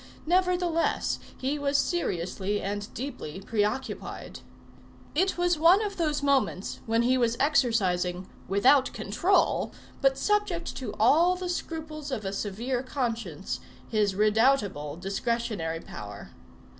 Nevertheless, he was seriously and deeply preoccupied. It was one of those moments when he was exercising without control, but subject to all the scruples of a severe conscience, his redoubtable discretionary power.